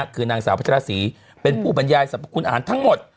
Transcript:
คือนางสาวพัชราศรีเป็นผู้บรรยายสรรพคุณอาหารทั้งหมด